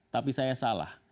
tapi saya salah